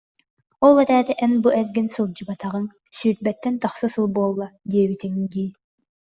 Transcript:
Ол эрээри эн бу эргин сыл- дьыбатаҕыҥ сүүрбэттэн тахса сыл буолла диэбитиҥ дии